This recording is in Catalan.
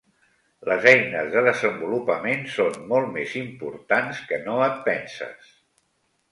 Les eines de desenvolupament són molt més importants que no et penses.